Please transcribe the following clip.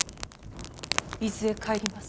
伊豆へ帰ります。